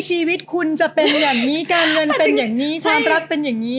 ชีวิตคุณจะเป็นอย่างนี้การเงินเป็นอย่างนี้ความรักเป็นอย่างนี้